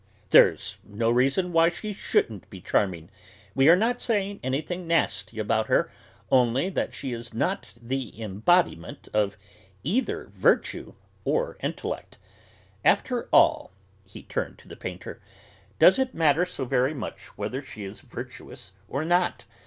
"There's no reason why she shouldn't be charming; we are not saying anything nasty about her, only that she is not the embodiment of either virtue or intellect. After all," he turned to the painter, "does it matter so very much whether she is virtuous or not?